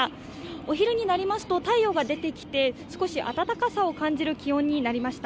お昼になりますと太陽が出てきて、少し暖かさを感じる気温になりました。